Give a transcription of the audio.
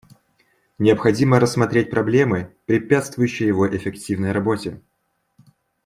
Необходимо рассмотреть проблемы, препятствующие его эффективной работе.